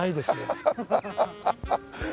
ハハハハハ。